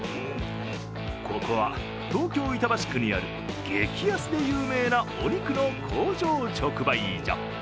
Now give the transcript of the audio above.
ここは東京・板橋区にある激安で有名なお肉の工場直売所。